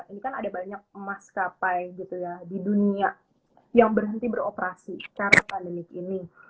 ini kan ada banyak maskapai gitu ya di dunia yang berhenti beroperasi karena pandemik ini